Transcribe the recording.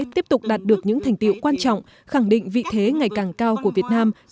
tiếp tục đạt được những thành tiệu quan trọng khẳng định vị thế ngày càng cao của việt nam